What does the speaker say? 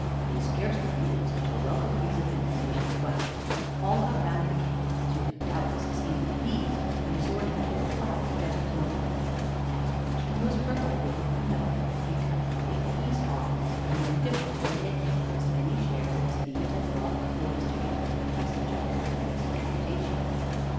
They scarcely needed such a welcome piece of information twice, but all got round the cake, as you have doubtless seen the bees resorting to a flower just blown. As Gratian was provided with a knife, he cut a great piece off, and then divided it into as many shares as he had brought boys together by such a courteous invitation.